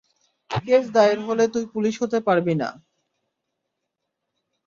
Case দায়ের হলে তুই পুলিশ হতে পারবি না।